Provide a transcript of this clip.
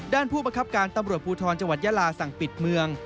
ผู้บังคับการตำรวจภูทรจังหวัดยาลาสั่งปิดเมือง